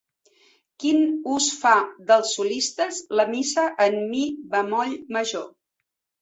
Quin ús fa dels solistes la missa en mi bemoll major?